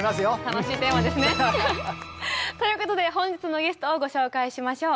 楽しいテーマですね。ということで本日のゲストをご紹介しましょう。